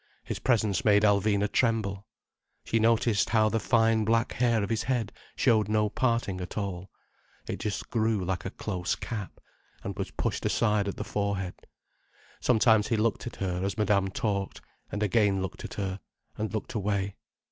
His presence made Alvina tremble. She noticed how the fine black hair of his head showed no parting at all—it just grew like a close cap, and was pushed aside at the forehead. Sometimes he looked at her, as Madame talked, and again looked at her, and looked away.